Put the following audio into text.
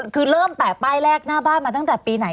คือเริ่มแปะป้ายแรกหน้าบ้านมาตั้งแต่ปีไหน